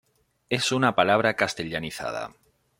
Es una palabra castellanizada.